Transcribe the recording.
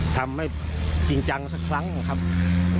ทำให้จริงจังสักครั้งนะครับ